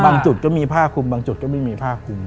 บางจุดก็มีภาคคุมบางจุดก็ไม่มีภาคคุม